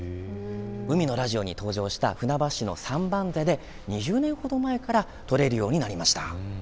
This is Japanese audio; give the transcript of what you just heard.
海のラジオに登場した船橋市の三番瀬で２０年ほど前から取れるようになりました。